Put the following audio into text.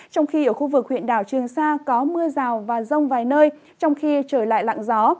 trong khi ở khu vực huyện đảo trường sa có mưa rào và rông vài nơi trong khi trời lại lặng gió